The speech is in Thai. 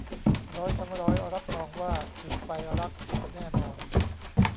ร้อยทั้งร้อยรับรองว่าจุดไฟรักติดแน่นอน